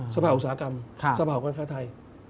สะพาหาอุตสาหกรรมสะพาหาการค้าไท่